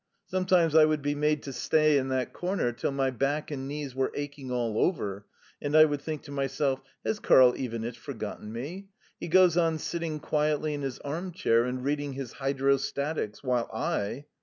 Sometimes I would be made to stay in that corner till my back and knees were aching all over, and I would think to myself. "Has Karl Ivanitch forgotten me? He goes on sitting quietly in his arm chair and reading his Hydrostatics, while I